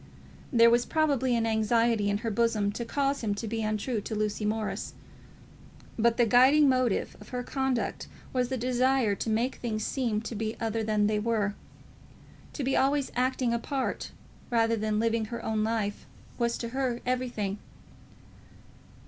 There was probably an anxiety in her bosom to cause him to be untrue to Lucy Morris; but the guiding motive of her conduct was the desire to make things seem to be other than they were. To be always acting a part rather than living her own life was to her everything.